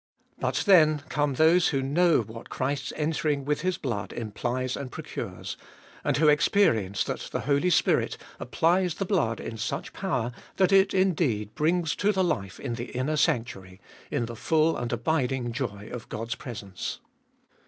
But then come those who know what Christ's entering with His blood implies and procures, and who experience that 380 Cbe Dolfest ot 2UI the Holy Spirit applies the blood in such power, that it indeed brings to the life in the inner sanctuary, in the full and abiding joy of God's presence.